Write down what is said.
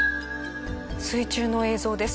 水中の映像です。